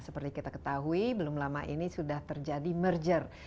seperti kita ketahui belum lama ini sudah terjadi merger